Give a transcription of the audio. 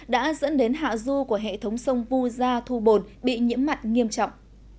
đã dẫn đến hạ du của hệ thống sông vu gia thu bồn bị nhiễm mặn nghiêm trọng